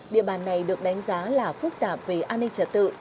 địa bàn này được đánh giá là phức tạp về an ninh trật tự